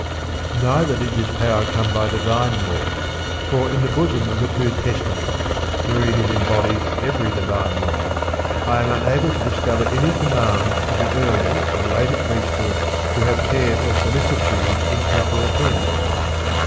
3. Neither did this power come by divine law ; for in the bosom of the two Testaments, wherein is embodied every divine law, I am unable to discover any command for the early or later priesthood to have care or solicitude in temporal things.